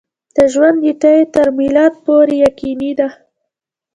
د ژوند نېټه یې تر میلاد پورې یقیني ده.